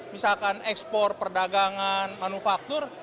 misalkan ekspor perdagangan manufaktur